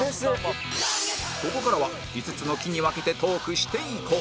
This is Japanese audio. ここからは５つの期に分けてトークしていこう！